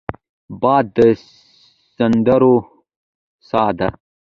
باد د سندرو سا دی